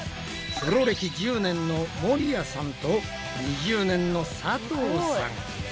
プロ歴１０年の森谷さんと２０年の佐藤さん。